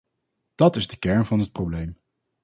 Dat is de kern van het probleem.